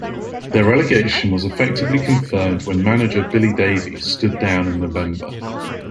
Their relegation was effectively confirmed when manager Billy Davies stood down in November.